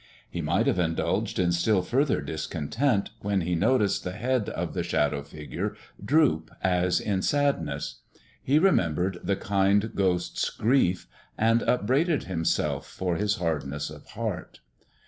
He might have indulged in still further discontent, when he noticed the head of the Shadow figure droop as in sadness. He remembered the kind Ghost's grief, and upbraided himself for his hardness of heart.